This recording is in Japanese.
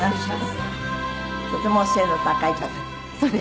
とてもお背の高い方で。